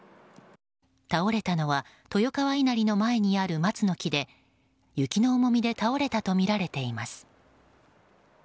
倒れたのは豊川稲荷の前にある松の木で雪の重みで倒れたとみられています。